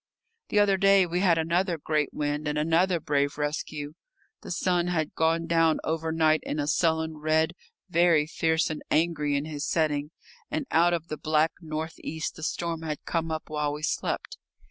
The other day we had another great wind and another brave rescue. The sun had gone down overnight in a sullen red, very fierce and angry in his setting, and out of the black north east the storm had come up while we slept.